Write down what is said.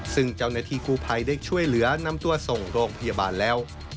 ซึ่งเจ้าหน้าที่กู้ภัยได้ช่วยเหลือนำตัวส่งโรงพยาบาลแล้ว